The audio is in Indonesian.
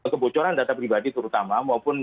kebocoran data pribadi terutama maupun